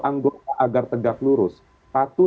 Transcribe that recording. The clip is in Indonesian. anggota agar tegak lurus satu